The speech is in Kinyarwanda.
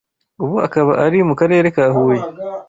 Ubu akaba ari mu Karere ka Huye